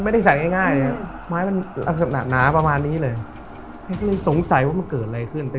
ไม่ได้ใส่ง่ายเลยไม้มันลักษณะหนาประมาณนี้เลยสงสัยว่ามันเกิดอะไรขึ้นแต่